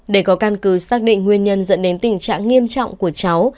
để có căn cứ xác định nguyên nhân dẫn đến tình trạng nghiêm trọng của cháu